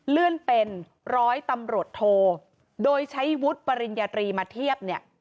เลื่อนเป็นร้อยตำรวจโทโดยใช้วุฒิปริญญาตรีมาเทียบเนี่ย